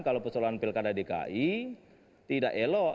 kalau persoalan pilkada dki tidak elok